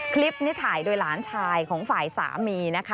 คลิปนี้ถ่ายโดยหลานชายของฝ่ายสามีนะคะ